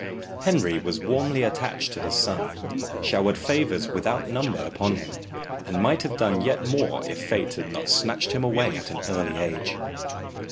Henry was warmly attached to his son, showered favours without number upon him, and might have done yet more if fate had not snatched him away at an early age.